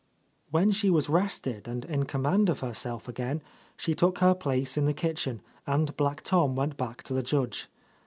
When she was rested and in command of her self again, she took her place in the kitchen, and Black Tom went back to the Judge.